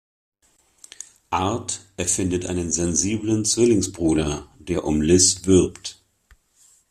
Art erfindet einen sensiblen Zwillingsbruder, der um Liz wirbt.